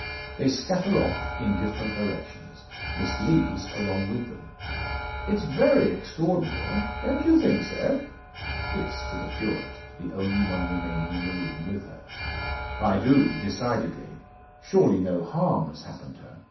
They scatter off in different directions, Miss Lees along with them. "It's very extraordinary. Don't you think so?" This to the curate, the only one remaining in the room with her. "I do, decidedly. Surely no harm has happened her.